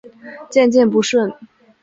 渐渐不顺